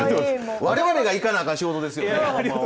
われわれが行かないかん仕事ですよ。